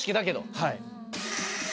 はい。